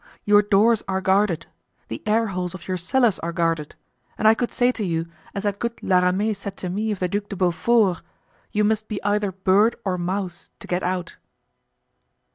Your doors are guarded, the airholes of your cellars are guarded, and I could say to you, as that good La Ramee said to me of the Duc de Beaufort, you must be either bird or mouse to get out."